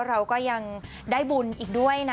เราก็ยังได้บุญอีกด้วยนะ